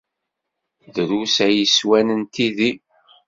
Drus ay swan n tidi.